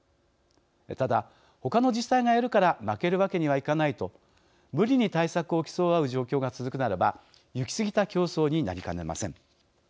ただ、他の自治体がやるから負けるわけにはいかないと無理に対策を競い合う状況が続くならば行き過ぎた競争になりかねません。